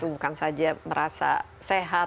bukan saja merasa sehat